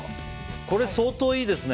これ相当いいですね。